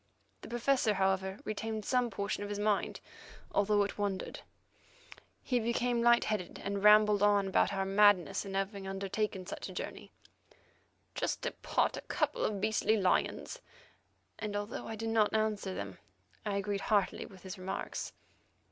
The Professor, however, retained some portion of his mind, although it wandered. He became light headed, and rambled on about our madness in having undertaken such a journey, "just to pot a couple of beastly lions," and although I did not answer them, I agreed heartily with his remarks.